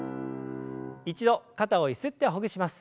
一度肩をゆすってほぐします。